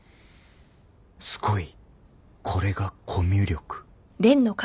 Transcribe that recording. すごいこれがコミュ力